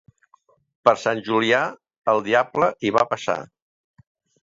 Per Sant Julià, el diable hi va passar.